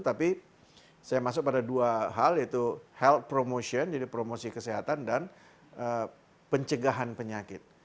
tapi saya masuk pada dua hal yaitu health promotion jadi promosi kesehatan dan pencegahan penyakit